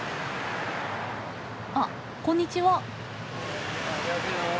あこんにちは。